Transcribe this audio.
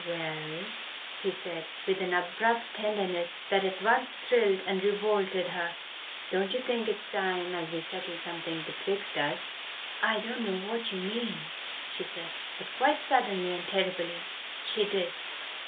"Well," he said, with an abrupt tenderness that at once thrilled and revolted her, "don't you think it's time as we settled something betwixt us?" "I don't know what you mean," she said. But, quite suddenly and terribly, she did.